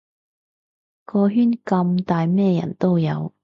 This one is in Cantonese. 個圈咁大咩人都有